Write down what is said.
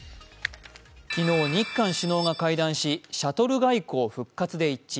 昨日、日韓首脳が階段し、シャトル外交復活で一致。